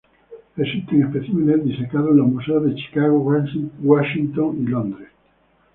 Existen especímenes disecados en los Museos de Chicago, Washington, y Londres.